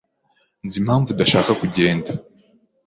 Nzi impamvu udashaka kugenda.